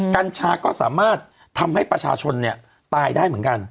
กัญชาก็สามารถทำให้ประชาชนเนี่ยตายได้เหมือนกัน